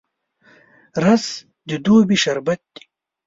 رس د دوبي شربت دی